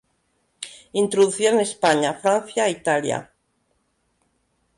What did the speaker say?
Introducida en España, Francia, Italia.